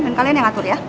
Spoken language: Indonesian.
dan kalian yang atur ya